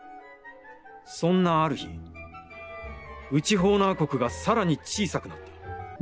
「そんなある日、内ホーナー国がさらに小さくなった。